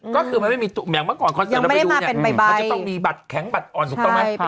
ก็คือมันไม่มีอย่างเมื่อก่อนคอนเสิร์ตเราไปดูเนี่ยมันจะต้องมีบัตรแข็งบัตรอ่อนถูกต้องไหม